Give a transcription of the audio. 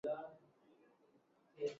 میں لوگوں کی نہیں اپنی مرضی کروں گی